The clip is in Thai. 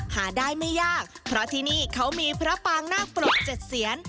หาได้ไม่ยากเพราะที่นี่เขามีพระปางนาคปรก๗เสียน